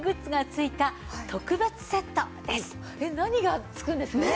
何が付くんですかね？